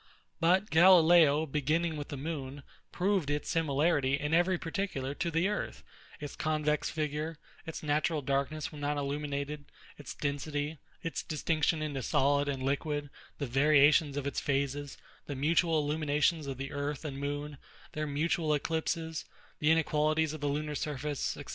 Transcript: But GALILEO, beginning with the moon, proved its similarity in every particular to the earth; its convex figure, its natural darkness when not illuminated, its density, its distinction into solid and liquid, the variations of its phases, the mutual illuminations of the earth and moon, their mutual eclipses, the inequalities of the lunar surface, &c.